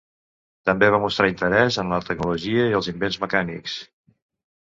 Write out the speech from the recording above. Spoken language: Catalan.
També va mostrar interès en la tecnologia i els invents mecànics.